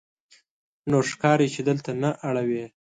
نو ښکاري چې دلته نه اړوې.